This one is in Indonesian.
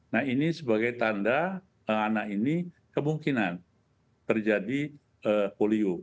nah ini sebagai tanda anak ini kemungkinan terjadi polio